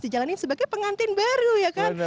dijalanin sebagai pengantin baru ya kan